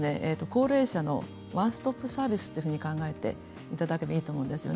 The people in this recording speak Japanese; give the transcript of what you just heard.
高齢者のワンストップサービスと考えていただければいいと思います。